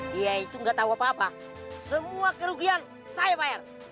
dia itu nggak tahu apa apa semua kerugian saya bayar